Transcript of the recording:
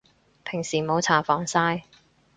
平時冇搽防曬